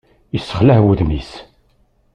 Yessexlaɛ wudem-is.